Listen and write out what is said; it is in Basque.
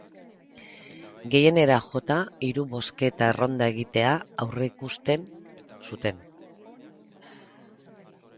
Gehienera jota, hiru bozketa erronda egitea aurreikusten zuten.